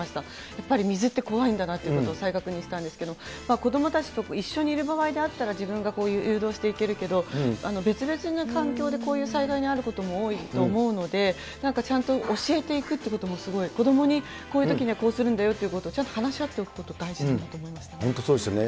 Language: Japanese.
やっぱり水って怖いんだなということを再確認したんですけど、子どもたちと一緒にいる場合であったら、自分がこういう誘導していけるけど、別々な環境でこういう災害にあることも多いと思うので、なんかちゃんと教えていくということも、すごい、子どもにこういうときにはこうするんだよということをちゃんと話し合っておくことが大事だと思いましたね。